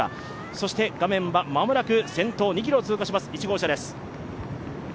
そして間もなく先頭２ｋｍを通過します、１号車です。